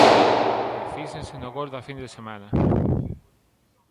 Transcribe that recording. E fíxense no gol da fin de semana.